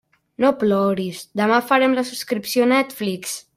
No ploris, demà farem la subscripció a Netflix.